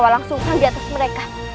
walang sumpah di atas mereka